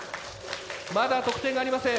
まだ得点はありません。